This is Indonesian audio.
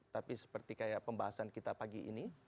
tapi seperti kayak pembahasan kita pagi ini